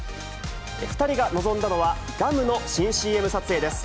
２人が臨んだのは、ガムの新ＣＭ撮影です。